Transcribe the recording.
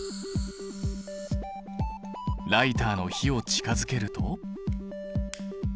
ライターの火を近づけると。